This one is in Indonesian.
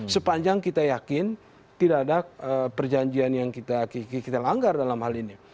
sepanjang kita yakin tidak ada perjanjian yang kita langgar dalam hal ini